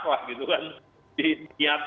lah gitu kan